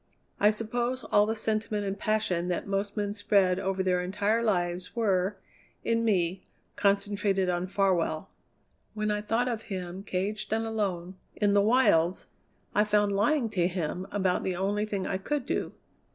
I suppose all the sentiment and passion that most men spread over their entire lives were, in me, concentrated on Farwell. When I thought of him caged and alone, in the wilds, I found lying to him about the only thing I could do.